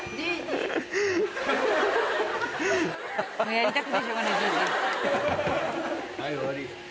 やりたくてしょうがないじいじ。